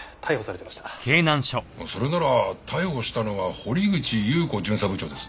それなら逮捕したのは堀口裕子巡査部長です。